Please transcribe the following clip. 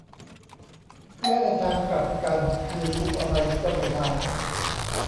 และในทางกลับกันคือคุมอะไรก็ไม่ได้